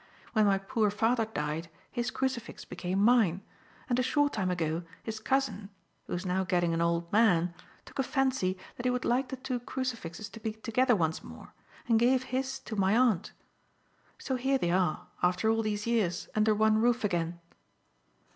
When my poor father died his crucifix became mine, and a short time ago, his cousin who is now getting an old man took a fancy that he would like the two crucifixes to be together once more and gave his to my aunt. So here they are, after all these years, under one roof again."